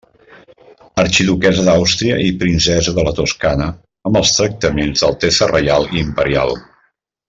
Arxiduquessa d'Àustria i princesa de la Toscana amb els tractaments d'altesa reial i imperial.